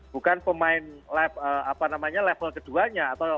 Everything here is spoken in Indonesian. bukan pemain level keduanya